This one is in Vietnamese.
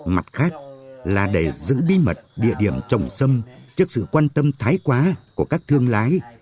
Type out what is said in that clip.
mặt khác là để giữ bí mật địa điểm trồng xâm trước sự quan tâm thái quá của các thương lái